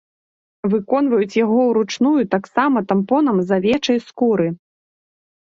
Выконваюць яго ўручную таксама тампонам з авечай скуры.